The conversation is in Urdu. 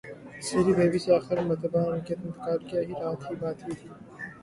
سری دیوی سے اخری مرتبہ انکے انتقال کی رات ہی بات کی تھی